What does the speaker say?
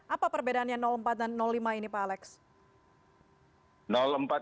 apa perbedaannya empat dan lima ini pak alex